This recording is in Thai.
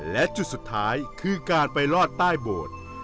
และจุดสุดท้ายคือการไปลอดใต้โบสถ์